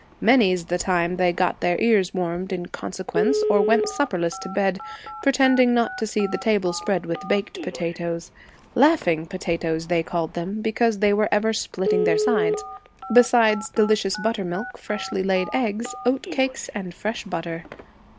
Many's the time they got their ears warmed in consequence or went supperless to bed, pretending not to see the table spread with baked potatoes, 'laughing potatoes,' they called them, because they were ever splitting their sides, besides delicious buttermilk, freshly laid eggs, oat cakes and fresh butter.